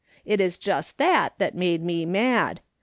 It is just that that made me mad.